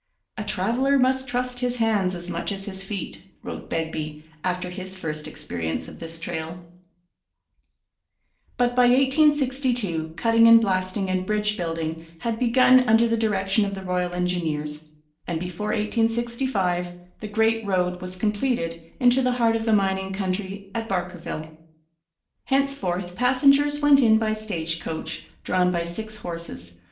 'A traveller must trust his hands as much as his feet,' wrote Begbie, after his first experience of this trail. [Illustration: Indian graves at Lytton, B.C. From a photograph.] But by 1862 cutting and blasting and bridge building had begun under the direction of the Royal Engineers; and before 1865 the great road was completed into the heart of the mining country at Barkerville. Henceforth passengers went in by stage coach drawn by six horses.